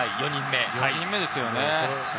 ４人目ですよね。